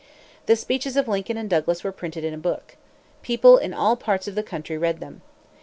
The speeches of Lincoln and Douglas were printed in a book. People in all parts of the country read them.